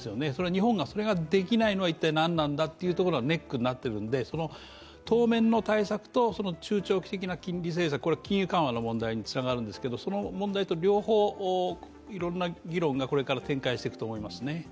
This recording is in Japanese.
日本がそれができないのが何なんだというのがネックになっているのでその当面の対策と中・長期的な金融政策、金融緩和の問題につながるんですが、その問題と両方いろんな議論がこれから展開していくと思いますね。